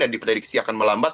dan diprediksi akan melambat